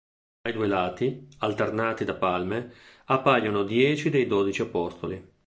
Ai due lati, alternati da palme, appaiono dieci dei dodici apostoli.